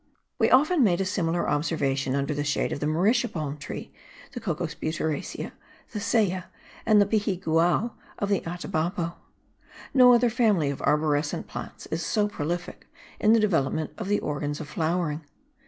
We often made a similar observation under the shade of the mauritia palm tree, the Cocos butyracea, the Seje and the Pihiguao of the Atabapo. No other family of arborescent plants is so prolific in the development of the organs of flowering.